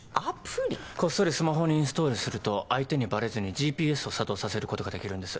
こっそりスマホにインストールすると相手にバレずにＧＰＳを作動させることができるんです。